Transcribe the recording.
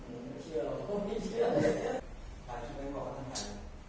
ไม่เชื่อไม่เชื่อไม่เชื่อ